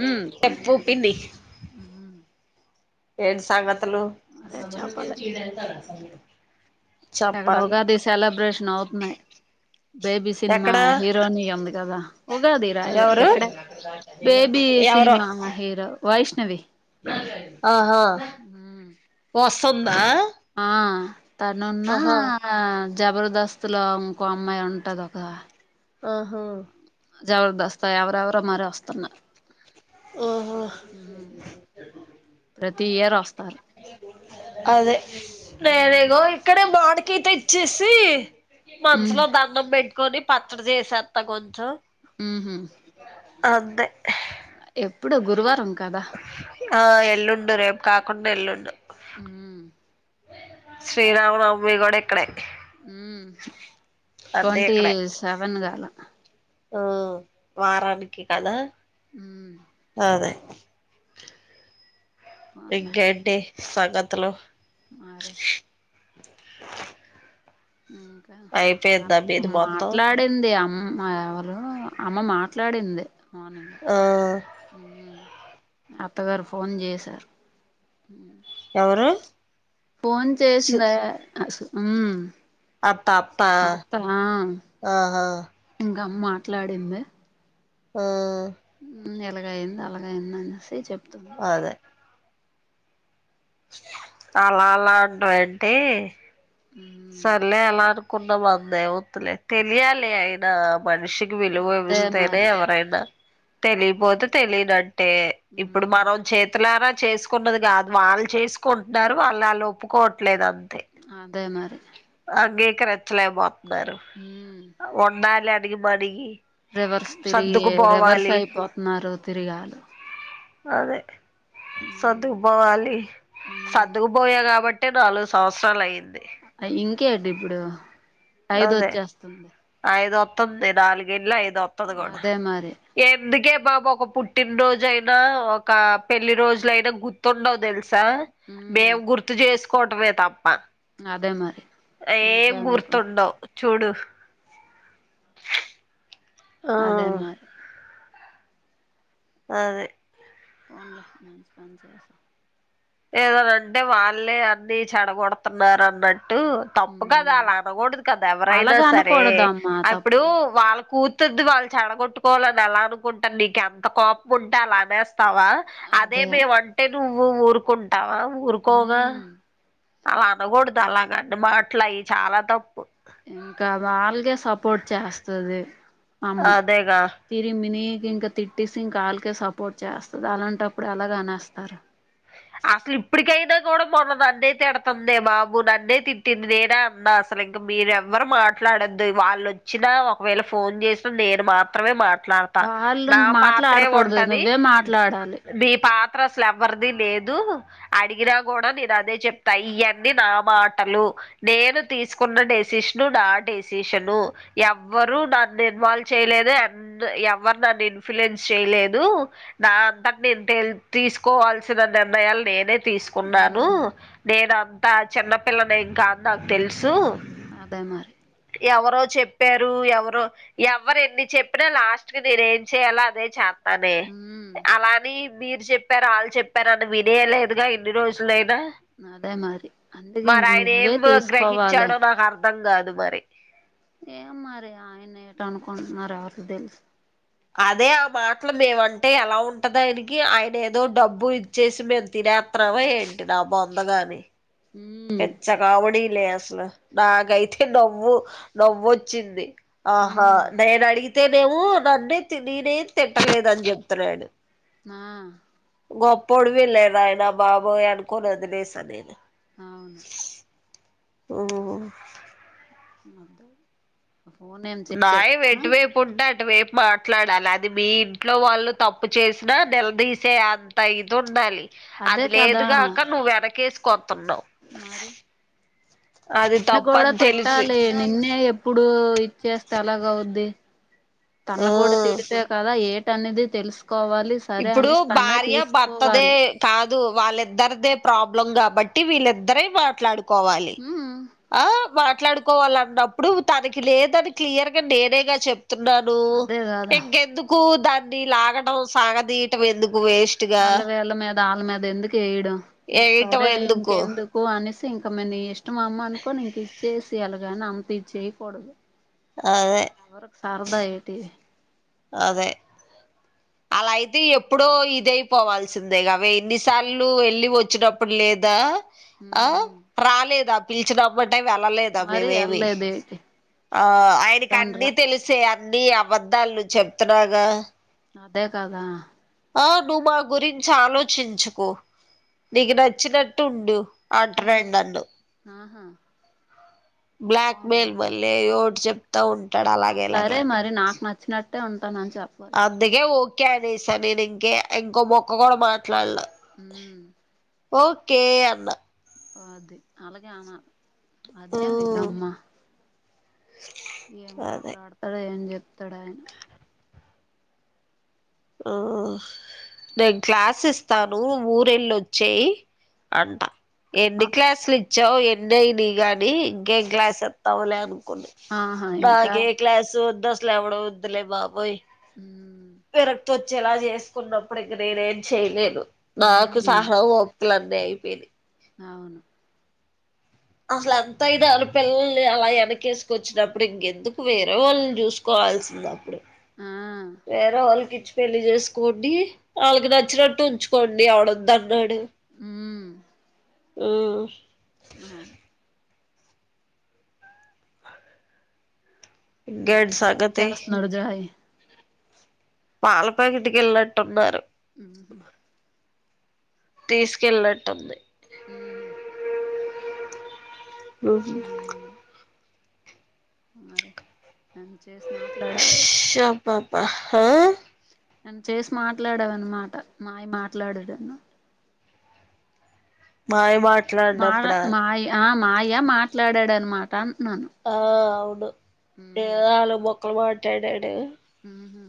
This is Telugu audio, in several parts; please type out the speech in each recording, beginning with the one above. ఉమ్ చెప్పు పిన్ని ఏంటి సంగతులు అదే చెప్పాలి ఎక్కడో చెప్పాలి ఉగాది సెలబ్రేషన్ అవుతున్నాయి బేబీ సినిమా ఎక్కడ హీరోయిన్ ఉంది కదా ఉగాది నా ఎవరు ఎక్కడ బేబీ ఎవరో సినిమా హీరో వైష్ట ఆహా వస్తుందా ఆ తనున్న ఆహా జబర్దస్త్ లో ఇంకో అమ్మయి ఉంటది ఒక ఆహా జబర్దస్త్ ఎవరెవరు మరి వస్తున్నర్ ఓహో ప్రతి ఇయర్ వస్తారు అదే నేనేగో ఉమ్ ఇక్కడే మవిరికాయ తెచ్చేసి మనసులో దండం పెట్టుకొని పచ్చడి చేసేత్త కొంచెం ఊ హు అంతే ఎప్పుడు గురువారం కదా ఆ ఎల్లుండు రేపు కాకుండ ఎల్లుండు ఉమ్ శ్రీరామనవమి కూడా ఇక్కడే ట్వంటీ సెవెన్ కదా ఓ వారానికి కదా హ్మ్ అదే ఇంకేంటి సంగతులు మారే ఆ అయిపోయిందా మీది మొత్తం మాట్లాడింది అమ్ మ్మ ఎవరు అమా మాట్లాడింది. మార్నింగ్ ఆ ఉహ్ హు అత్తగారు ఫోన్ చేసారూ. ఎవరు ఫోన్ సు చేసిందేయ్ ఉమ్ అత్త అత్త అత్తనా ఆహా ఇంగమ్ మాట్లాడింది. ఆ ఉమ్ ఇలాగయింది, అలాగ అయింది అనేసి చెప్తుంది. అదే అలా అలా అంటావ్ ఏంటి. హ్మ్ సర్లే అలా అనుకున్నాం. అందే వతులే తెలియాలే అయినా. మనిషికి విలువ అదే విస్తేనే మరి ఎవరైనా. తెలియ్పోతే తెలియనట్టే. ఇప్పుడు హ్మ్ మనం చేతులారా చేసుకున్నది గాద్. వాళ్ళు చేసుకుండ్న్నారు, వాళ్ళు అళ్ళు ఒప్పుకోవట్లేదు అంత్ అదే మరి అంగీకరించలేకపోత్న్నారు. హ్మ్ ఉండాలి అనీగి మనిగి రివర్స్ తిరిగి, రివర్స్ అయిపోతున్నారు. తిరిగాళ్ళు అదే సర్దుకుపోవాలి. సర్దుకుపోయా కాబట్ టే నాలుగు సంవత్సరాలయ్యింది. ఇంకేండిప్పుడు ఐదు వచ్చేస్తుంది. ఐదోత్తంది. నాలుగెల్లీ ఐదోత్తది గూడా అదే మరి ఎందుకే మాక్ ఒక పుట్టినరోజయినా, ఒక పెళ్లి రోజులయినా గుర్తుండవ్ తెల్స్ సా ఉమ్ మేము గుర్తు చేసుకోవటమే తాప్ అదే మరి ఏం ఇంకెందుకు గుర్తుండవ్ చూడు ఆ అదే మరి అదే పోన్లే మంచి పన్ చేసావ్ ఏదనంటే వాళ్ళే అన్ని చెడగొడుతున్నారన్న. టు తప్పు కదా ఉమ్ అలా అనాకూడ్దు కదా. ఎవరైనా అలాగ సరే అనకూడదమ్మా అ ఇప్పుడు తప్పు వాళ్ళ కూ తుదూది వాళ్ చెడగొట్టుకోవాలని ఎలా అనుకుంటన్, నీకు ఎంత కోప్ముంటే. అలానేస్ తావా. అదే మేము అంటే నువ్వు ఊరుకుంటావా? ఊరుకోవ్గా. ఉమ్ అలా అనకూడుద్ అలా నన్ని మాట్లాయి చాలా తప్పు. ఇంకా వాల్గే సపోర్ట్ చేస్తది. అమ్మ అదేగా తిరిమిని ఇంకా తిట్టేసి ఇంకాళ్ళకే సపోర్ట్ చేస్తది. అలాంటప్పుడు అలాగా అనేస్తారు. అసలు ఇప్పడికైనా గూడా మొన్న నన్నైతిడతందే బాబు, నన్నే తిట్టింది. నేనే అన్న అసల్ ఇంకా మీరేవ్వరు మాట్లాడొద్దు. వాళ్ళోచ్చినా ఒకవేళ ఫోన్ చేసిన్ నేను మాత్రమే, మాట్ ట్లాడ్తా. వాళ్ళు నా ఇంక పాత్రే మాట్లాడకూడదు ఉంటది. నువ్వే మాట్లాడాలి నీ పాత్ ట్రసల్ ఎవరిది లేద్ దు అడిగినా కూడా నేను అదే చెప్తా. ఇయ్యన్నీ నా మాటలు, నేను తీసుకో న్న డెసిస్ను నా డెసిషను. ఎవ్వరు నాన్ ఇన్వాల్వ్ చెయ్ లేదే అన్ ద్ ఎవర్ నన్ను ఇన్ఫ్లుయన్స్ చేయ్లేదు. నా అంతట్ నేను తీసుకోవాల్సిన నేర్ణయాలు నేనే తీసుకున్నాను. ఉమ్ నేనప్ అంత చిన్నపిల్లనేంకాదు నాక్ తెలుసు. అదే మరి ఎవరో చెప్పారు, ఎవరో ఎవ్వరు ఎన్ని చెప్పినా. లాస్ట్ కి నేను ఏం చెయ్యాలో అదే చే స్తానే ఉమ్ అలాని మీరు చెప్పారు, అళ్ళు చెప్ ప్పారని వినేయ్లేదుగా, ఇన్ని రోజులైనా. అదే మరి అందుకే ఇంక మరా నువ్వే ఆయనేంవర్ తీసుకోవాలి గ్రహించాడో నాకర్ దంగాదు మరి ఏం మరి ఆయన ఏటి అనుకుంటున్నారో ఎవరికి తెలుసు అదే ఆ మాటలు మేమంటే ఎలా ఉంటది ఆయనకి ఆయన ఏదో డబ్బు ఇచ్చేసి మేము తినే త్తనామా ఏంటి నా బొందగాని ఉమ్ పిచ్చ కామెడీలే అసలు నాకైతే నవ్వు నవ్వొచ్చింది ఆహా ఉమ్ నేను అడిగితేనేమో నన్నే తెలీనే నే తిట్టలేదు అని చెప్తున్నాడు నా గొప్పోడువేళే నాయనా బాబోయ్ అనుకోని వదిలేసా నేను అవును ఉమ్ మ్మ్ అంతే న్యాయం ఎటువైపు ఉంటే అటు వైపు మాట్లాడాలి అది మీ ఇంట్లో వాళ్ళు తప్పు చేసినా నిలదీసే అంత ఇది ఉండాలి అదే అది కదా లేదుగాక నువ్వు వెనకేసుకొత్తున్నావ్ మరి అది తన్ను కూడా తప్పని తెలిసి చేస్తే అలాగ అవుద్ది ఆ తన్ను కూడా తిడితే కదా ఏటనేది తెలుసు కోవాలి సరే ఇప్పుడు అనేస్ తనే భార్య భర్తదే తీసుకోవాలి కాదు వాళ్ళిద్దరిదే ప్రాబ్లం కాబట్టి వీళ్ళిద్దరే మాట్లాడు కోవాలి ఉమ్ ఆ మాట్లాడుకోవాలన్నప్పుడు తనకి లేదని క్లియర్ గా నేనేగా చెప్ తున్నాను అదే కదా ఇంకెందుకు దాన్ని లాగడం సాగదీయటం ఎందు మళ్ళా వేళ్ళ మీద ఆళ్ళ మీద ఎందుకు ఏయడం ఇంక వేయటం సరే ఎందుకు ఇంకెందుకు అని ఇంక మే నీ ఇష్టం అమ్మా అనుకోని ఇంకిచ్చేసి అలగాని అంతిచ్చేయకూడదు అదే ఎవరుకు సారదా ఏటి అదే అలా అయితే ఎప్పుడో ఇదైపోవాల్సిందేగా వే ఇన్నిసార్లు వెళ్ళి వచ్చినప్పుడు లేదా ఆ ఉమ్ రాలేదా పిలిచినబ్బడ్ టే వెళ్ళలేదా మరి మేమేమీ వెళ్ళలేదు ఏటి ఆ ఆయనకన్నీ తండ్రా తెలుసే అన్నీ అబద్దాలు చెప్తన్నాగా అదే కదా ఆ నువ్వు మా గురించి ఆలోచించకు నీకు నచ్చినట్టుండు ఉమ్ అంట్రెండు నన్ను ఆహా బ్లాక్ మెయిల్ పోన్లే మళ్ళీ ఏగో ఓటి చెప్తా ఉంటాడు ఆ అలాగిలాగే సరే అని మరి నాకు నచ్చినట్టే ఉంటానని చెప్పాల్సి అందుకే ఓకే అనీసా నేను ఇంకే ఇంకో ముక్క కూడా మాట్లాడలా ఉమ్ ఓకే అన్నా అది అలాగే ఆనాలి అదేం మ్మ్ విధమ్మా ఏం అదే మాట్లాడతాడో ఏం చెతడు ఆయన ఆ నేను క్లాస్ ఇస్తాను ఊరెళ్ళొచ్చేయి అంట ఎన్ని ఆ క్లాసులు ఇచ్చావు ఎన్నయినియి గాని ఇంకేం క్లాస్ చెప్తావులే అను ఆహా ఇంకా నాకే క్లాసూ వద్దు అసలు ఎవడూ వద్దులే బాబోయ్ ఊ విరక్తొచ్చేలా చేసుకున్నప్పుడు ఇక నేనేం చేయలేను నాకూ హ్మ్ సహవో క్లన్నీ అయిపోయినయి అవును అసలు ఎంత అయిదారు పిల్లల్ని అలా వెనకేసుకొచ్చినప్పుడు ఇంకెందుకు వేరే వాళ్ళని చూసుకోవా వాల్సింది అప్పుడే ఆ వేరేవాళ్ళకిచ్చు పెళ్లి చేసుకోండి వాళ్ళకి నచ్చినట్టు ఉంచుకోండి ఎవడు వద్దు అన్నాడు హ్మ్ హ్మ్ ఆ ఇంకేంటి వెయిట్ సంగతి చేస్తున్నాడు జోయ్ పాల ప్యాకెట్ కి వెళ్ళట్టున్నారు ఊహు తీసుకెళ్ళట్టుంది ఉహు [unintelligible] మరే నాన్ చేసి మాట్లావే ఆహా నన్ను చేసి మాట్లాడావన్నమాట మాయ మాట్లాడాడున్ను మాయ మా మా మాట్లాడినప్పుడా మాయ మాయ మాట్లాడాడనమాట అంటున్నాను ఆ అవును ఏ హ్మ్ ఆలు మొక్కలు మాట్లాడాడు ఊహు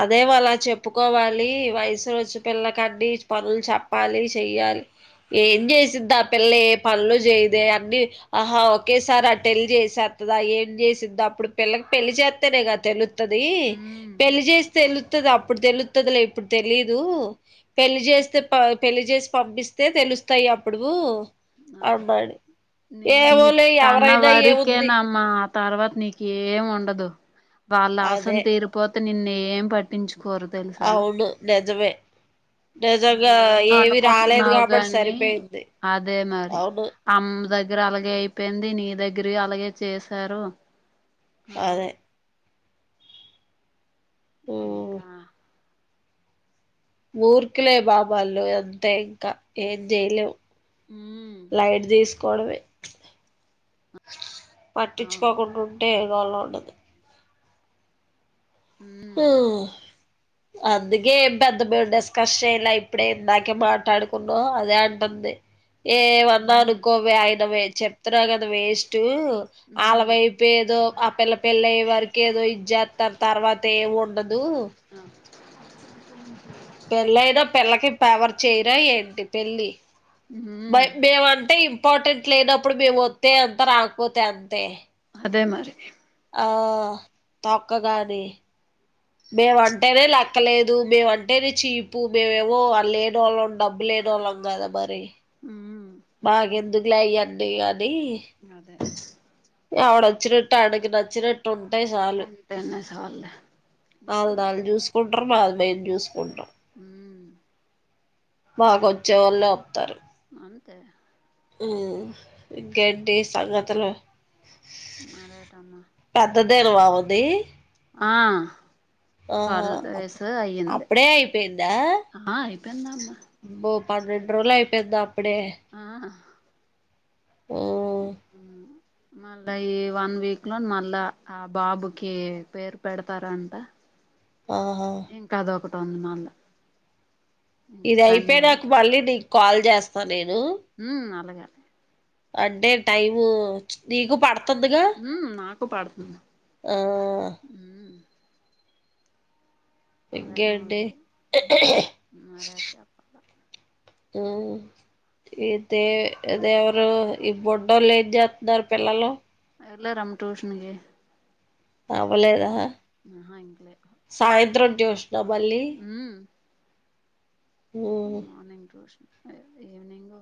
అదే అలా చెప్పుకోవాలి వయసు వచ్చు పిల్ల కండి పనులు చెప్పాలి చెయ్య [unintelligible] ఏం చేసింది ఆ పిల్ల ఏ పనులు చేయదే అన్ని ఆహా ఒకేసార్ ఆ టళ్లి చేస వా ఏం చేసిందో అప్పుడు పిల్లకి పెళ్లి చేస్తేనే కద తెలుతుది హ్మ్ తెలుతుంది అప్పుడు తెలుతుంది ఇప్పుడు తెలీదు పెళ్లి చేస్తే పెళ్లి చే పలి ఇస్తే తెలుస్తాయి అప్పుడు అన్నాడు న ఏమోలే తన ఎవరైనా వరకే ఏముంది నమ్మ తర్వాత నీకు ఏం ఉండదు వాళ్ళ అవసరం అదే తీరిపోతే నిన్ను ఏం పట్టించు కోరు తెలుసా అవును నిజమే నిజంగా ఏమో ఏవి రాలేదు అనుకుంటున్నావు కాబట్టి గాని సరిపోయింది అదే మరి అవును ఆమ్ దగ్గర అలాగే అయిపోయింది నీ దగ్గర అలాగే చేశారు ఆ అదే ఉమ్, ఇంకా మూర్ఖులే బాబల్లో ఎంత ఇంకా ఏం చేయలేవు ఉమ్ లైట్ తీసుకోడమే అవును పట్టించుకోకుండా ఉంటే ఎవోల ఉండదు ఉమ్ హు అందుకే ఏం పెద్ద మేము డిస్కస్ చెయలే ఇప్పుడే ఇందాకే మాట్లాడుకున్నా అదే అంటుంది ఏమన్నా ఉమ్ అనుకోవే ఆయన చెప్తున్నా కదా వేస్ట్ ఉమ్ వాళ్ళవైపు ఏదో ఆ పిల్ల పళ్ల్లయ్యే వరక ఏదో ఇ చేస్తారు తర్ తేవ ఉండదు ఆ పెళ్ళయినా పెళ్ళకి పేవర్ చేయరా ఏంటి పెళ్లి ఉమ్ మేమ అంటే ఇంపార్టెంట్ లేనప్పుడు మేము వస్తే అంత రాకపోతే అంతే అదే మరి ఆ తొకగని మేముంటేనే లెక్కలేదు మేముంటేనే చీపు మేమేవో లేడు వాళ్ళని డబ్బులు లేన వాళ్ళం కదా మరి ఉమ్ మాక ఎందుకులాయ్యండి అది అదే అవడ అచ్చినెట్ట్ట అడి అచ్చినటు ఉంది అంటాయి సాలు ఉంటేనే చాల్లే ఇంకా అలే అన్ని అల్లు చూసుకుంటారు మది మేం చూసుకుంటం మ్మ్ మాక్ వచ్చే వాలే వస్తారు అంతే గది సంగతులు మరేటమ్మా [unintelligible] దలు వావంది ఆ ఆహా ట్వెల్వ్ డేస్ అయ్యింది అప్పుడే ఆయిపోయిందా ఆ అయిపోయిందమ్మా పన్నెండు రోజులు అయిపోయిందా అప్ ఆహా హ్ ఊహ్ మళ్ళా ఈ వన్ వీక్ లో మళ్ళా ఆ బాబుకి పేరు పెడతారంట. ఆహా పని మళ్ళా. ఇది సండే అయిపోయినాక మళ్ళీ నీకు కాల్ చేస్తా నేను. ఉ అలాగే అంటే టైము నీకు పడ తదిగా ఉమ్ నాకు పడుతుంది ఆ ఉమ్ అదే ఇంకేంటి నోజు మరేచ్చప్పకా ఆ ఇదే అదేవరు? ఈ బొడ్డలు ఏం చేస్తున్నారు పిల్లలు? ఎల్లారమ్ ట్యూషన్కి. అవ్వలేదా. ఆహా ఇంకలే సాయంత్రం ట్యూషన్ దబల్లీ morning tuition. Evening,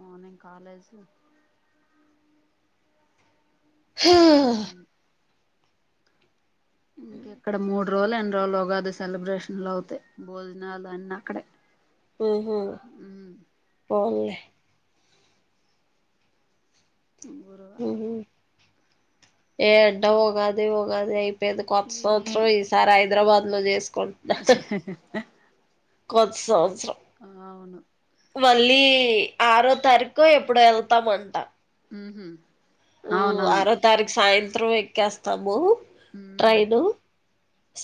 morning college. హ ఇంకెక్కడ మూడ్ రోజులో ఎన్ని రోజులో ఉగాది సెలబ్రేషన్లు అవుతయి. భోజనాలు అన్ని అక్కడే హుహ్ పోన్లే. గురువారం ఉహు ఏడ్డ ఉగాది ఉగాది ఐప్ పోయింది. కొత్త ఈ సంవత్సరం ఈసారి హైదరాబాద్ లో చేసు కొత్త సంవత్సరం. ఆ అవును. మళ్ళీ ఆరో తారీఖో ఎప్పుడో వెళ్తామంటా. ఉహు అవునవును ఆరో తారీఖు సాయంత్రం ఎక్కేస్తాము ఉమ్ ట్రైను.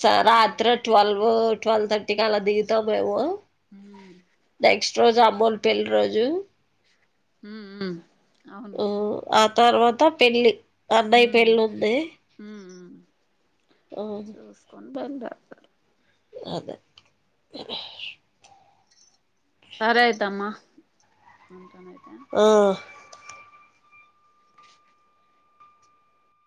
స రాత్రి ట్వల్వ్ ట్వెల్వ్ థర్టీకి అలా దిగుతాము మేము. ఉ నెక్స్ట్ రోజు అమ్మోల్ల పెళ్లి రోజు. ఉ ఉ ఓ ఆ తర్వాత పెళ్లి అన్నయ్య ఉమ్ పెళ్ళి ఉంది. ఉమ్ ఆ బంద అదే సరయితేమ్మా. ఆ